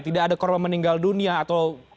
tidak ada korban meninggal dunia atau